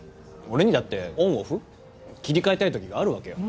俺にだってオンオフ切り替えたい時があるわけよ